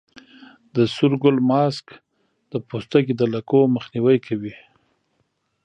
د سور ګل ماسک د پوستکي د لکو مخنیوی کوي.